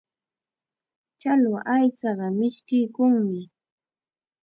Challwa aychaqa mishkiykunmi.